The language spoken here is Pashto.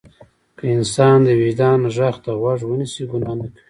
که انسان د وجدان غږ ته غوږ ونیسي ګناه نه کوي.